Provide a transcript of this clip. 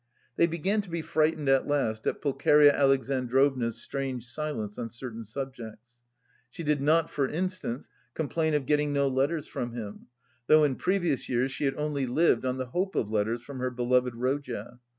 They began to be frightened at last at Pulcheria Alexandrovna's strange silence on certain subjects. She did not, for instance, complain of getting no letters from him, though in previous years she had only lived on the hope of letters from her beloved Rodya.